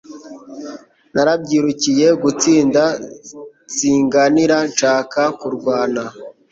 Narabyirukiye gutsinda singanira nshaka kurwana,